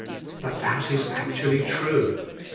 But that is actually true.